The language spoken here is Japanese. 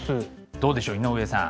どうでしょう井上さん